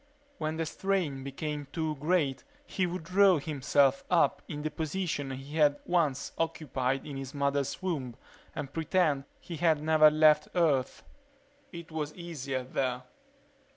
When the strain became too great he would draw himself up in the position he had once occupied in his mother's womb and pretend he had never left Earth. It was easier there.